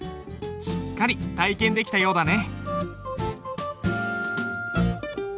しっかり体験できたようだね。